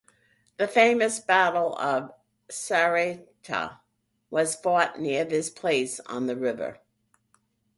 The famous Battle of Saraighat was fought near this place on the river.